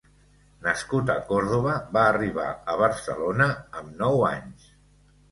Nascut a Còrdova, va arribar a Barcelona amb nou anys.